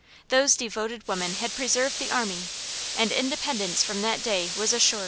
Those devoted women had preserved the army, and Independence from that day was assured.